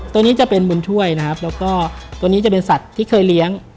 ตัวนี้จะเป็นบุญช่วยนะครับแล้วก็ตัวนี้จะเป็นสัตว์ที่เคยเลี้ยง